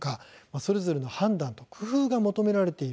それぞれの判断と工夫が求められている。